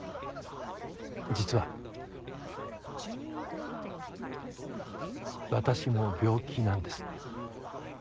実は私も病気なんです。